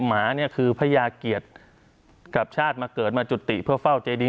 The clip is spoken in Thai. หมาเนี่ยคือพญาเกียรติกับชาติมาเกิดมาจุติเพื่อเฝ้าเจดี